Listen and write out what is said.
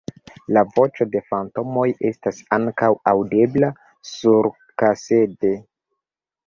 La voĉo de fantomoj estas ankaŭ aŭdebla surkasede.